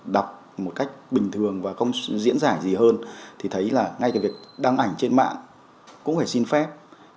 đọc một cách bình thường và không diễn giải gì hơn thì thấy là ngay cái việc đăng ảnh trên mạng cũng phải xin phép